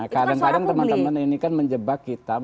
kadang kadang teman teman ini kan menjebak kita